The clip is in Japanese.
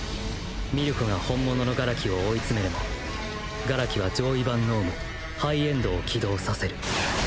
ミルコが本物の殻木を追い詰めるも殻木は上位版脳無ハイエンドを起動させる